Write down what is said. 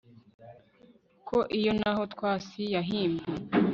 Ko iyo naho twas yahimbwe